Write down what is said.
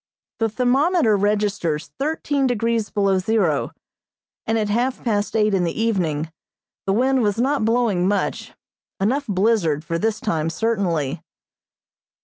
The thermometer registers thirteen degrees below zero, and at half past eight in the evening the wind was not blowing much; enough blizzard for this time certainly.